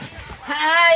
はい。